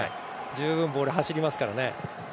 十分ボール走りますからね。